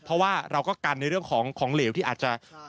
เพราะว่าเราก็กันในเรื่องของเหลวที่อาจจะ